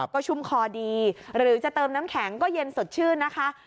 ก็ชุ่มคอดีหรือจะเติมน้ำแข็งก็เย็นสดชื่นนะคะ